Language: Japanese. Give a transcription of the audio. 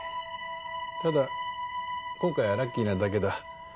ただ今回はラッキーなだけだ。